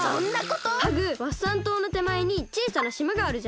ハグワッサンとうのてまえにちいさなしまがあるじゃない？